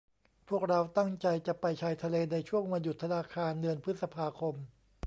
พวกเราตั้งใจจะไปชายทะเลในช่วงวันหยุดธนาคารเดือนพฤษภาคม